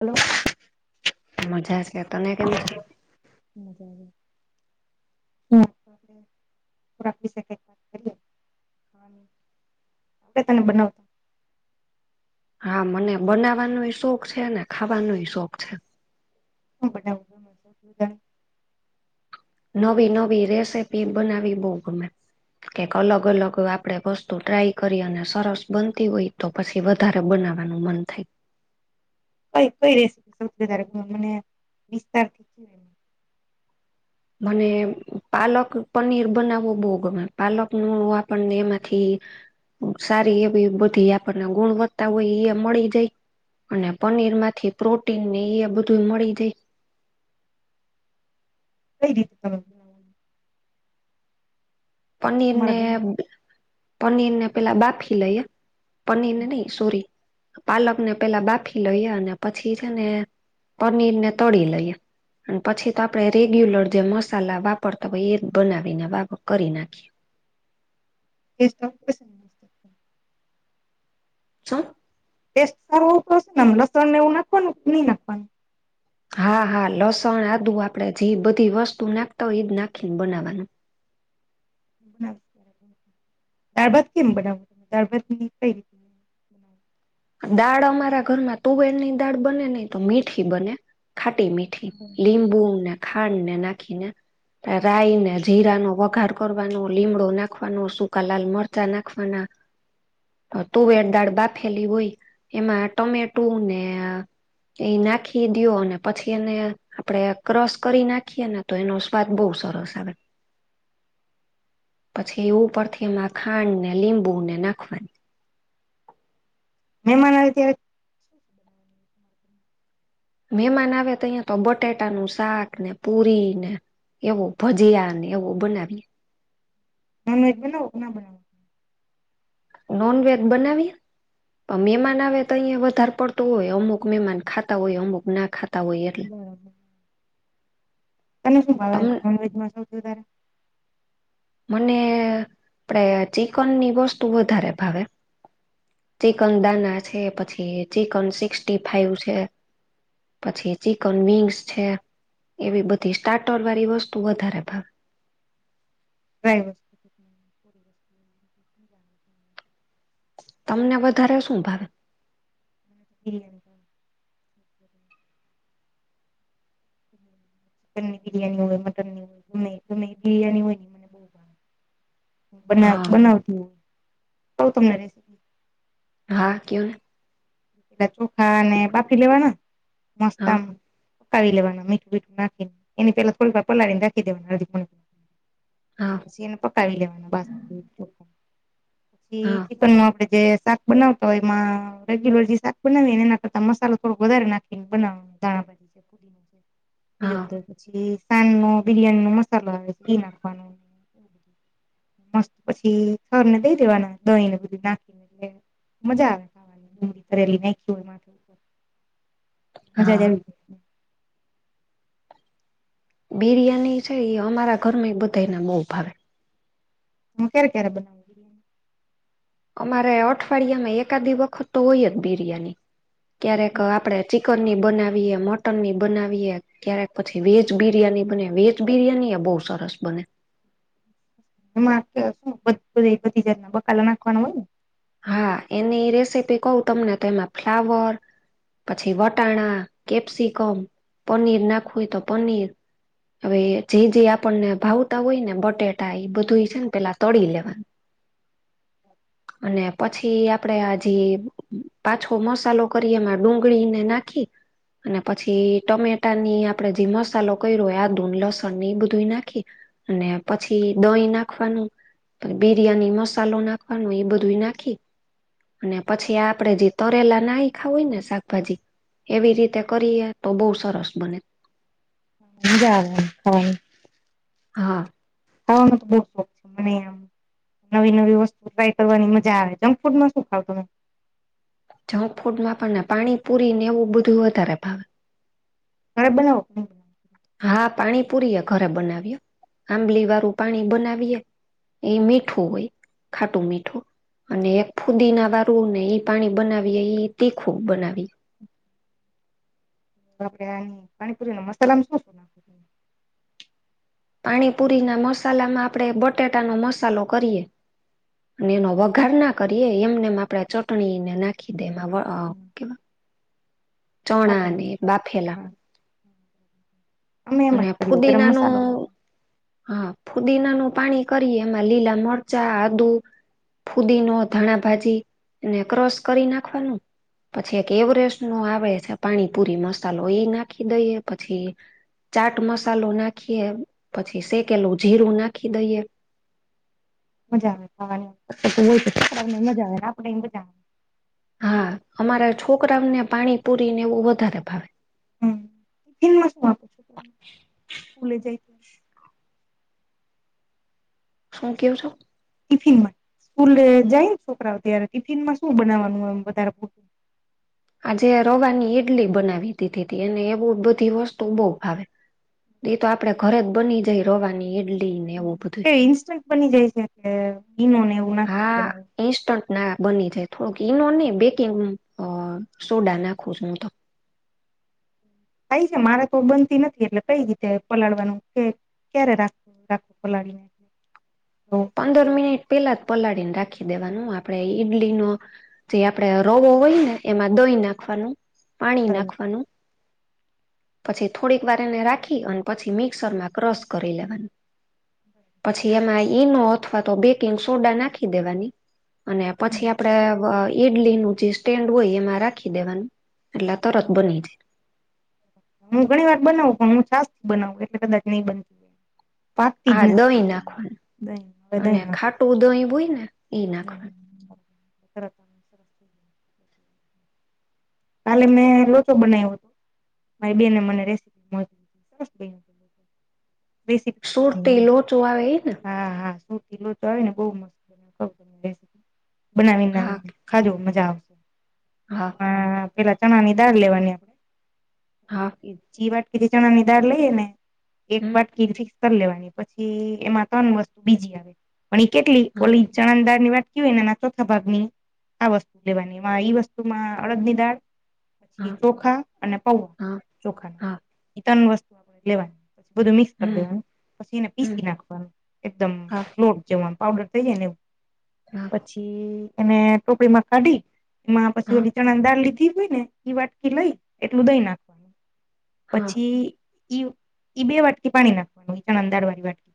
Hello મજા છે તમેં કેમ છો? [inaudible] ખાવાની તને બનાવતા હા મને બનાવાનોય શોખ છે ને ખાવાનોય શોખ છે. હું બનાવવું [inaudible] નવી નવી રેસીપી બનાવી બઉં ગમે. કેક અલગ અલગ આપડે વસ્તુ ટ્રાય કરી અને સરસ બનતી હોય તો પછી વધારે બનાવાનું મન થાય. કઈ કઈ રશે સૌથી વધારે મને વિસ્તારથી [inaudible] મને પાલક પનીર બનાવવો બહુ ગમે પાલક નું આપણને એમાંથી સારી એવી બધી આપણને ગુણવતા હોય એ મળી જાય. અને પનીર માંથી પ્રોટીન ને એ બધું મળી જાય. કઈ રીતે તમે. બનાવો પનીર ને તમારા ઘરમાં પનીર ને પેલા બાફી લઈએ. પનીર નઈ રોરી પાલક ને પેલા બાફી લઈ અને પછી છે ને. પનીર ને તળી લઈએ. અને પછી તો આપડે રેગ્યુલર જે મસાલા વાપરતા હોય એ જ બનાવીનેપ કરી ના [unintelligible] છું? ટેસ્ટ સારો આવતો હશે ને લસણને એવું નાખવાનું કે નહી નાખવાનું. હા હા લસણ આદુ આપડે જે બધી વસ્તુ નાખતા હોય એ જ નાખીને બનાવાનું. દાળ ભાત કેમ બનાવો દાળ ભાત ની કઈ રીતે. બનાવો? દાળ અમારા ઘરમાં તુવેરની દાળ બને નહી તો મીઠી બને ખાટી મી લીમ્બુ ને ખાંડ ને નાખીને. રાઈ ને જીરા નો વઘાર કરવાનો લીમડો નાખવાનો સૂકા લાલ મરચા નાખવાના. [inaudible] તુવેર દાળ બાફેલી હોય એમાં ટમેટું ને. એ નાખી દ્યો અને પછી એને આપડે ક્રોસ કરી નાખીએ ને. તો એનો સ્વાદ બહુ સરસ આવે [inaudible] પછી એ ઉપરથી એમાં ખાંડ ને લીંબુને નાખવાની. મહેમાન આવે ત્યારે [unintelligible] મહેમાન આવે તો અહીયા તો બટેટાનું શાક ને પુરી ને એવું ભજયા ને એવુ બનાવીયે નોન વેેજ બનાવો કે ના બનાવો નોન વેજ બનાવીએ પણ મેંમાન આવે તો અહીંયા વધારે પડ તુ હોય અમુક મહેમાન ખાતા હોય અમુક ના ખાતા હોય એ હમ્મ. તને શું ભાવ તમ નોનવેજમાં સૌથી વધારે, મને આપડે ચિકન ની વસ્તુ વધારે ભાવે, ચિકન દાના છે, પછી ચિકન સિક્સીટી ફાઈવ છે. પછી ચિકન વિંગ્સ છે, એવી બધી સ્ટાર્ટર વાળી વસ્તુ વધારે ભાવ, [inaudible] તમને વધારે શું ભાવે. હમ્મ. [inaudible] ચિકન ની બિરિયાની હોય મટન ની હોય ગમે ગમે બિરિયાની હોય. મને બના હા બનાવતી ક્વ તમને રેસિપી. હા કયો ને. પેલા ચોખા અને બાફી લેવાના મસ્ત હા આમ. પકાવીવા મઠુ બિઠું નાખીને એની પેલા થોલ પલાળી નાખીવાના અધી [inaudible] હા. પછી એને પકાવી લેવા પછી હા ચાક આપડે જે બનાવ તો એમાં રેગ્યુલર શાક બનાવી એ ના કરતા મસાલો થોડો વધારે નાખીને બના દાણા ભાજી [inaudible] બીજો હા બધ પી સાન નો બિરિયાની નો મસો આવે ઈ નાખવાનો, મસ્ત પછી સર ને દઈ દેવાના દહી ને બધી નાખીને એટ મજા આવે. [inaudible] દૂરી કરેલી નાખી હોય મા. મજાજ હા બિરિયાની છે એ અમારા ઘરમાં એ બધાને બહુ ભાવે, હું કે્યારે કે્યારે બનાવ અમારે અઠવાડિયામાં એકાદી વખત તો હોય જ બિરિયાની, ક્યારેક આપડે ચિ કન ની બનાવીએ મટન ની બનાવીએ, ક્યારેક પછી વેજ બિરિયાની બને વેજ બિરિયાની એ બહુ સરસ બને, હમ્મ શું બધી જ ના બકાલો નાખવાનો હોય ને, હા, એની રેસીપી કવ તમને તો એમાં ફ્લાવર પછી વટાણા કેપ્સિકમ પનીર નાખવુંય તો પનીર હવે જે જે આપણને ભાવતા હોય ને બટેટા એ બધું છે, ને પેલા તળી લેવાનું અને પછી આપણેે હજી પાછો મસાલો કરી એમાં ડુંગળીને નાખી, અને પછી ટમેટાની આપડણે જે મસાલો કર્યો આદુ લસણ ને એ બધું નાખી, અને પછી દહીં નાખવાનું બિરિયાની મસાલો નાખવાનું, એ બધું નાખી અને પછી આપણેે જે તરેલા ના ખાવું હોય ને શાકભાજી એવી રીતે કરીએ તો બહુ સરસ બને, મજા આવે ખાવાની. હા, ખાવાનો તો બહ શોખ છે, મનેમ નવી નવી વસ્તુ ટ્રાય કરવાની મજા આવે, જંક ફૂડ ન શું ખાવ તમે જંક ફૂડ માં પણને પાણી પુરી ને એવું બધું વધારે ભાવે. ઘરે બનાવોને, હા, પાણી પુરીએ ઘરે બનાવીએ આંબલી વાળું પાણી બનાવીએ, એ મીઠું હોય ખાટું મીઠું અને એક ફૂદી ના વારું ને ઈ પાણી બનાવી તીખું બનાવી. આપડે આ પાણીપુરી ન મસાલામાં શો ના પાણીપુરી ના મસાલામાં આપણેે બટેાટાનો મસાલો કરીએ, અને એનો વઘાર ના કરીએ એમને એમ આપણેે ચટણીને નાખી દે, કેવા ચણા બાપરેના અનેને બાફેલા હા અમે એમ જ અને કરીએ ગરમ ફુદીના ન મસાલો હા ફુદીનાનુંું પાણી કરીએ એમાં લીલા મરચા આદુ ફુદી ન ધાણા ભાજી એને ક્રોસ કરી નાખવાનું પછી એક એવરેસ્ટ નો આવે છે પાણીપુરી એ નાખી દઈએ પછી ચાટ મસાલો નાખીએ પછી શેકેલું જીરું નાખી દઈએ મજા આવે ખને મજા આવે આપણે મજા આવે હા અમારા છોકરાને પાણી પુરી ને એવું વધારે ભાવે હમન માસુંું છું સ્કૂલે જ શું કેવું છો ટિફિનમાં સ્કૂલ જાય ને છોકરા ત્યારે ટિફિન માં શું બનાવવાનું વધ આજે રવાની ઈડલી બનાવી દીધી હતી અનેને એવું બધી વસ્તુ બહુ ભાવે એ તો આપડે ઘરે જ બની જાય રવાની ડલી કે ઇન્સ્ટન્ટ બની જાય છે કે બનોને એવું નાખીને હા બનાવે ઈન્સ્ટન્ટ ના બની જાય થોડોક ઈનો નહી બેકિંગ સોડા નાખું હું તો થઈ છે મારે તો બનતી નથી એટલે કઈ રીતે પલાળવાનું કે ક્યારે રાખું રાખું પલાળને પંદર મિનિટ પેલા જ પલાળીને રાખી દેવાનું આપડે ઈડલી ન જે આપણેે રોવો હોય ને એમાં દોઈ નાખવાનું પાણી બરાબર નાખવાનું પછી થોડીક વાર એને રાખી અને પછી મિક્સરમાં ક્રસ કરી લેવાનું પછી એમાં ઈનો અથવા તો બેકિંગ સોડા નાખી દેવાની અને પછી હમ આપડે ઈડલી નું જે સ્ટેન્ડ હોય એમાં રાખી દેવાનું એટલે તરત હમ. બની જાય હું ઘણી વાર બનાવું પણ હું છાસ બનાવું એટ કા નહીિ બનતી હોય હા દહીં નાખવાનું પા અને જહી ખાટું દહીં હોય ને ઈ નાખવાનું હહી જાય. કાલે મેં લોચો બનાવ્યો હતો બેને મને રેસીપી મો સર બે બ સુરતી લોચો આવે એ ને તો આવીને બ મસ્ત બનાવીને હા ખાજુ મજા આવશે હા એમાં પેલા ચણા ની દાળ લેવાની આપણેે હા ચી વાટકીીધી ચણા નિનીદાાર લઈએ ને એક હમ વાટકીીધ લેવાની પછી એમાં ત્રણ વસ્તુ બીજી આવે પણ એ કેટલી હા ઓલી ચણદાર ની વાત એનાના ચોથા ભાગની આ વસ્તુ લેવાનીમાં ઈ વસ્તુમાં અડદની દાળ પછી હા ચોખા અને પૌવા હા ચોખા ના હા એ ત્રણ વસ્તુ આપણે લેવાની પ બધું મિક્સ કરી હમ દેવાનું પછી એને હમ પીસી નાખવાનું એકદમ હા લો લોટ જવાનું પાવડર થઈ જાય ને એવું હા પછી એને ટોપીમાં કાઢી એમાં પછી હા ઓલી ચણા દાળ લીધી હોય ને ઈ વાટકી લઈ એટલું દઈ નાખવાનું હા પછી ઈ ઈ બે વાટકી પાણી નાખવાનું એ પણ અંદાાર વાળી વાટકી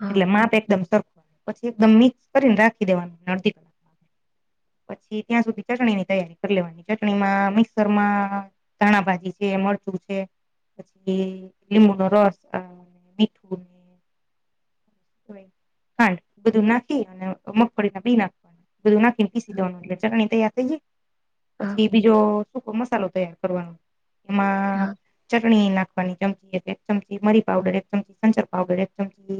હા એટલે માપ એકદમ સરખું પછી એકદમ મિક્સ કરીને રાખી દેવાનું અડદીવા પછી ત્યાં સુધી ચટણીની તૈયારી કરી લેવાની ચટણીમાં મિક્સરમાં ધાણા ભાજી છે મરચું છે પછી લીંબુ નો રસ મીઠું ને ખાંડ બધું નાખી અને મગફળી ના બી નાખી બધું નાખીને પીસી હા જવાનું એટલે ચટણી તૈયાર થઇ જાય હા પછી બીજો શ મસાલો તૈયાર કરવાનો એમાં ચટણી નાખવાની ચમચી એક ચમચી મરી પાવડર એક ચમચી સંસર પાવડર એક ચમચી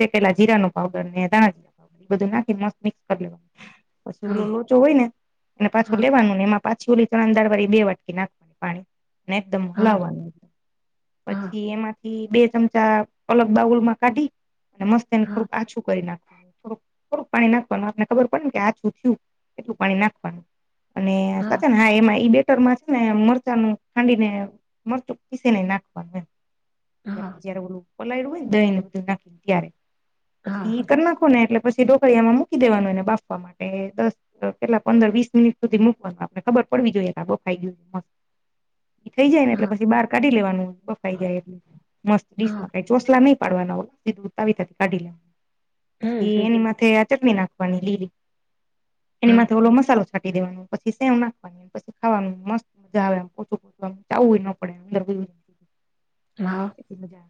સેકેેલા જીરા નો પાવડર ને ધાણાજી પાવડર એ બધું નાખી મસ્ત મિક્સ કરી લેવાવામાં પશી એલો હા લોચો હોય ને એને પાછો હા હા હા લેવાનું ને એમાં પાછી ઓલી ત્રણ દાળ વાળી બે વાટકી નાખવાની પાણી અને એકદમ હલાવવાનુંમ પછી હા એમાંથી બે ચમચા અલગ બાઉલ માં કાઢી અને મસ્ત એને હા થોડું કછું કરી નાખવાનું થોડુંક થોડુંક પાણી નાખવાનું આપને ખબર પડે ને કે આછું થયું એટલું પાણી નાખવાનું અને સાચન હા એમાં ઈ બે રમાં છે ને મરચાં નું ખાંડી ને મરચું પીસી ને નાખવાનું આપડે જયારે ઓલું પલાયડું હોય ને દહી ને બધું નાખીને ત્યારે હા પછી એ હા કરી નાખો ને એટલે પછી ઢોકળિયામાં મૂકી દેવાનુંને બાફવા માટે દસ કેટલા પંદર વીસ મિનિટ સુધી મૂકવાનું આપણે ખબર પડવી જોઈએ બો ખાઈ ગય મસ્ત થઈ જાય ને એટલે પછી બહાર કાઢીેવાનું બફાઈ જાય એટલે હા મતિશમાં કઈ ચોસલા નઈ ડવાીું તી કાઢી લેવાનું હમ પછી હમ એનીથે આ ચટ નાખ લી હા એનીમાં થોડો મસાલો છાંટી દેવાનો પછી સેમ નાખવાની પછીાવાની મસ્ત મજા આવે એમ પોછુંવાનું ચાવું ન પડે અંદર હ હા મજા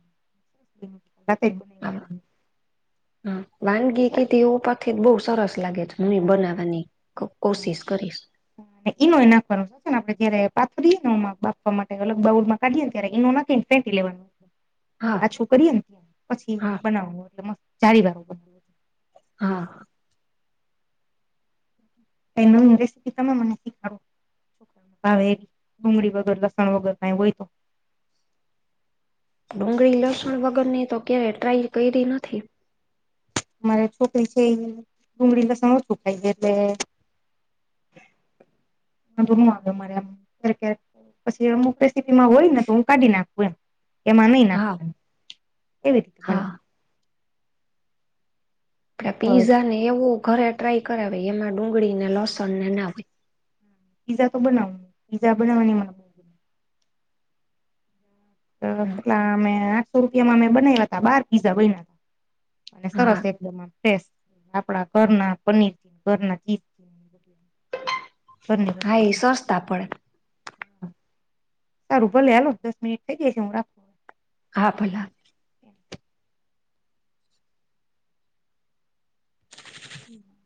[unintelligible] એગ બનાવ્યુંતુ હા વાનગી કે તેવ પ થ બહુ સરસ લાગે છે હું એ બનાવવાની કોશિશ કરીશ હમ ઈનો એ નાખવાનો છે ને આપણે જયારે પાથરીએ નેમાં બાફવા અલગ બાઉડમાં કાઢીએને ત્યારે ઈનો ન નાખી ને ફેંટી લેવાનો હા પાછું કરીએ ને ત્યાં પછી હા બનાવું એટલે મસ્ત ચારી વાર બનાવ હા. એ ન રેસીપી તમે મને શીખડો. ડુંગળી વગર લસણ વગર કઈ હોય તો. ડુંગળી લસણ વગરની તો ક્યારેય ટ્રાય કરી નથી. અરે છોકરી છે એ ડુંગળી લસણ ઓછું ખાય છે એટલે. રું આવ્યો મારે પછી અમુક ટાઇમ માં હોય ને તો હું કાઢી નાખું એમ એમાં નહી હા નાખવાનું એવી રીતે હા બનાવું. આપ પીઝા ને એવો ઘરે ટ્રાય કરાવે એમાં ડુંગળી ને લસણ ને ના હોય. પિજ્ઝા તો બનાવું પીઝા બવનીમાંમાં હોય કેટલા અમે આઠસો રૂપિયામાં મેમે બનાવ્યા ત બાર પીઝા બ હતા. અને હા સરસ એકદમ ફ આપડા ઘરના પનીર ઘરના ચી [inaudible] હા એ વસ્તુથી સસ્તા પડે. સારું ભલે હલો દસ મિનિટ થઇ જાય છે હું રાખ. હા ભલા [inaudible]